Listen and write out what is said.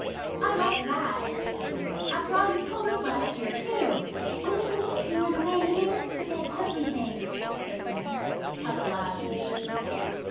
'I like that!' said Dan. 'After all you told us last year, too!' 'Only, the minute you went away, you made us forget everything,' said Una. Puck laughed and shook his head.